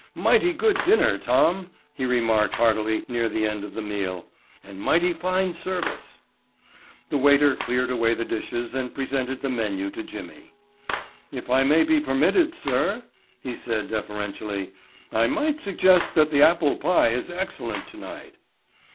"Mighty good dinner, Tom," he remarked heartily near the end of the meal, "and mighty fine service." The waiter cleared away the dishes and presented the menu to Jimmy. "If I may be permitted, sir," he said deferentially, "I might suggest that the apple pie is excellent tonight."